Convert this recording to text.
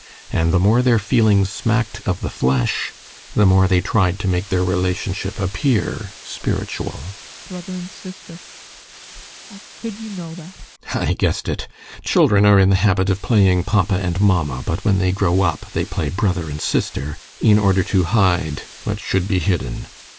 And the more their feelings smacked of the flesh, the more they tried to make their relationship appear spiritual. ADOLPH. Brother and sister? How could you know that? GUSTAV. I guessed it. Children are in the habit of playing papa and mamma, but when they grow up they play brother and sister in order to hide what should be hidden!